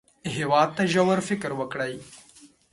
هېواد ته ژور فکر ورکړئ